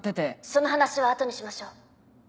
その話は後にしましょう。